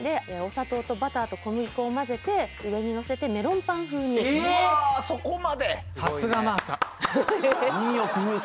お砂糖とバターと小麦粉をまぜて上にのせてメロンパン風に。えっ！？